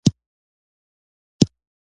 الله ښه رازق دی.